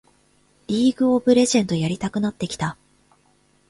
リーグ・オブ・レジェンドやりたくなってきた